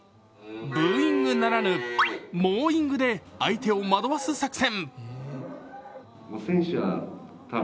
ブーイングならぬモーイングで相手を惑わす作戦。